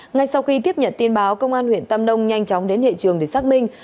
ngay sau khi tiếp nhận tin báo công an huyện tâm đông nhanh chóng đến hệ trường để xác minh